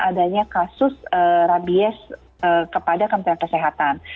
adanya kasus rabies kepada kementerian kesehatan